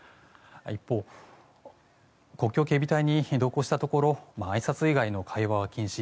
一方、国境警備隊に同行したところあいさつ以外の会話は禁止。